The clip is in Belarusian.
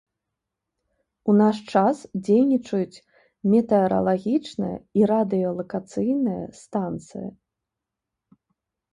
У наш час дзейнічаюць метэаралагічная і радыёлакацыйная станцыя.